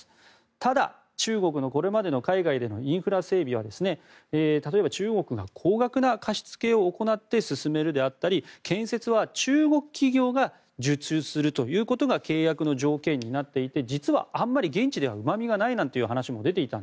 ただ、中国のこれまでの海外でのインフラ整備は例えば、中国が高額な貸し付けを行って進めるであったり建設は中国企業が受注することが契約の条件になっていて実は、あまり現地ではうまみがないという話も出ていました。